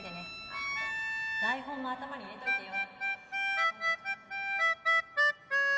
あと台本も頭に入れといてよ。